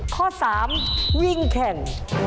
ข้อสามวิ่งแข่ง